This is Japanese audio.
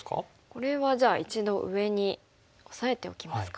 これはじゃあ一度上にオサえておきますか。